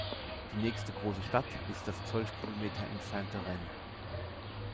Die nächste große Stadt ist das zwölf Kilometer entfernte Rennes.